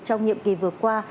trong nhiệm kỳ vừa qua